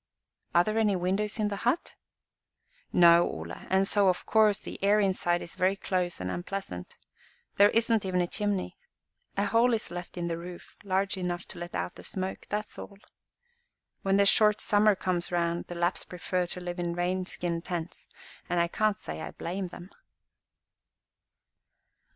"Are there any windows in the hut?" "No, Ole, and so, of course, the air inside is very close and unpleasant. There isn't even a chimney. A hole is left in the roof large enough to let out the smoke; that is all. When the short summer comes round, the Lapps prefer to live in deer skin tents, and I can't say I blame them."